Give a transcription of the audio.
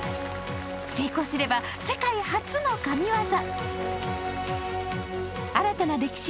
成功すれば、世界初の神ワザ。